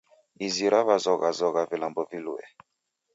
Izi raw'azoghazogha vilambo vilue